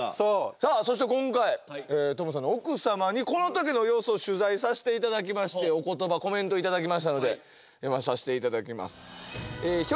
さあそして今回トムさんの奥様にこの時の様子を取材さしていただきましてコメント頂きましたので読まさせていただきます。